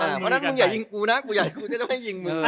เพราะฉะนั้นมึงอย่ายิงกูนะกูอยากให้กูจะไม่ยิงมือ